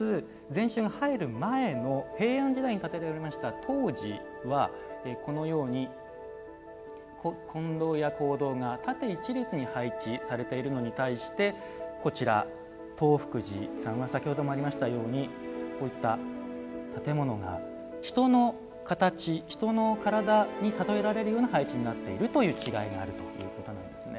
まず禅宗が入る前の平安時代に建てられました東寺は、このように金堂や講堂が縦一列に配置されているのに対してこちら、東福寺さんは先ほどもありましたようにこういった建物が人の形人の体にたとえられるような配置になっているという違いがあるということなんですね。